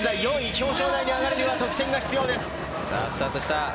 表彰台に上がるには得点が必要です。